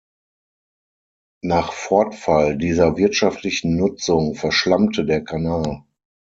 Nach Fortfall dieser wirtschaftlichen Nutzung verschlammte der Kanal.